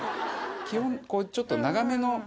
基本ちょっと長めの。